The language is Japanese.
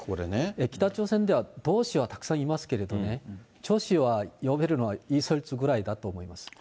北朝鮮では同志はたくさんいますけれどね、女史は呼べるのは、リ・ソルジュぐらいだと思います。